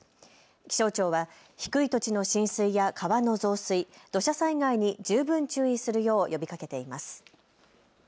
気象庁は低い土地の浸水や川の増水、土砂災害に十分注意するよう呼びかけています。